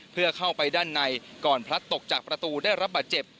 เพื่อเข้าไปด้านในก่อนพลัดตกจากประตูได้รับบาดเจ็บ